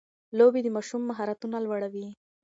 لوبې د ماشوم مهارتونه لوړوي.